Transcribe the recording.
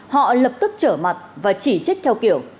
họ lập tức trở mặt và chỉ trích theo kiểu